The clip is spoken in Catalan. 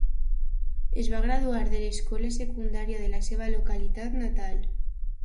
Es va graduar de l'escola secundària de la seva localitat natal.